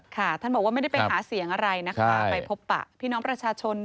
ท่านบอกว่าไม่ได้ไปหาเสียงอะไรนะคะไปพบปะพี่น้องประชาชน